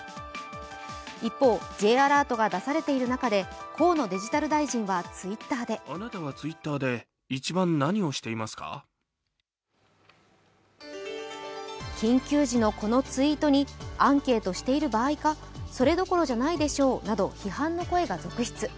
一方、Ｊアラートが出されている中で、河野デジタル大臣はＴｗｉｔｔｅｒで緊急時のこのツイートにアンケートしている場合か、それどころじゃないでしょうなど批判の声が続出。